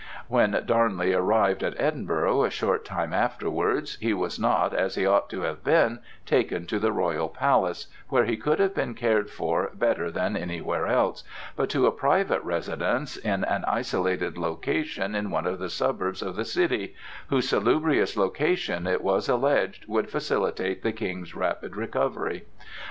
When Darnley arrived at Edinburgh, a short time afterwards, he was not, as he ought to have been, taken to the royal palace, where he could have been cared for better than anywhere else, but to a private residence in an isolated location in one of the suburbs of the city, whose salubrious location, it was alleged, would facilitate the King's rapid recovery.